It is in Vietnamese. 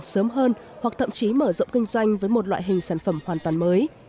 bắt đầu thời điểm xả hàng sớm hơn hoặc thậm chí mở rộng kinh doanh với một loại hình sản phẩm hoàn toàn mới